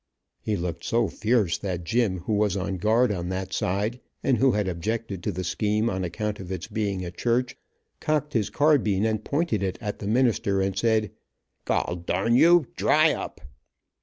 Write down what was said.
He looked so fierce that Jim, who was on guard on that side, and who had objected to the scheme on account of its being a church, cocked his carbine and pointed it at the minister and said, "gol darn you, dry up!"